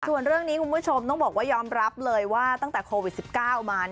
ส่วนเรื่องนี้คุณผู้ชมต้องบอกว่ายอมรับเลยว่าตั้งแต่โควิด๑๙มา